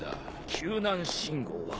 救難信号は。